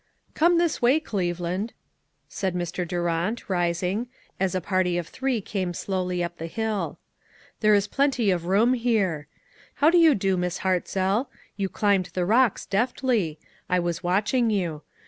"Come this way, Cleveland," said Mr. Durant, rising, as a party of three came slowly up the hill ;" there is plent}7 of room here. How do you do, Miss Hart zell? You climbed the rocks deftly; I was watching you.